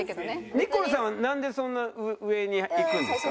ニコルさんはなんでそんな上にいくんですか？